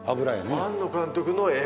庵野監督の絵。